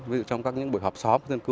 ví dụ trong các những buổi họp xóm dân cư